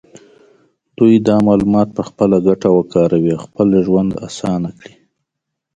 دوی دا معلومات په خپله ګټه وکاروي او خپل ژوند اسانه کړي.